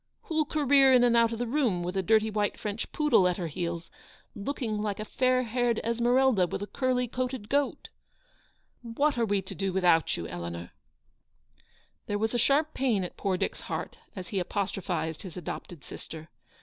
Who'll career in and out of the room with a dirty white French poodle at her heels, looking like a fair haired Esmeralda with a curly coated goat? What are we to do without you, Eleanor ?" 222 Eleanor's victory. There was a sharp pain at poor Dick's heart as he apostrophised his adopted sister.